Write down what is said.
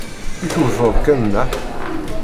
I tewteḍ kan nneḥ?